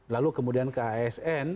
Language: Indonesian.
lalu kemudian ke asn